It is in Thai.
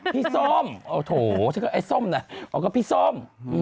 พี่ส้มโถไอ้ส้มอ๋อก็พี่ส้ม